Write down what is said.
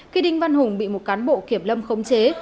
khi đinh văn hùng bị một cán bộ kiểm lâm khống chế